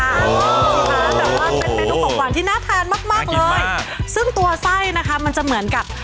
แบบว่าเป็นเมนูของหวานที่น่าทานมากมากเลยซึ่งตัวไส้นะคะมันจะเหมือนกับ